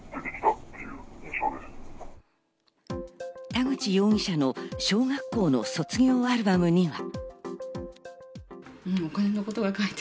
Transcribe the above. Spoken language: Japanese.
田口容疑者の小学校の卒業アルバムには。